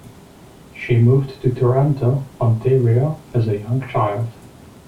She moved to Toronto, Ontario, as a young child.